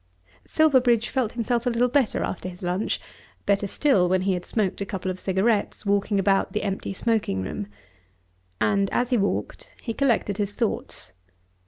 Silverbridge felt himself a little better after his lunch, better still when he had smoked a couple of cigarettes walking about the empty smoking room. And as he walked he collected his thoughts.